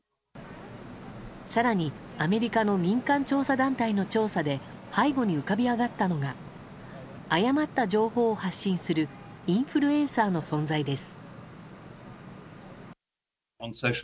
更に、アメリカの民間調査団体の調査で背後に浮かび上がったのが誤った情報を発信するインフルエンサーの存在です。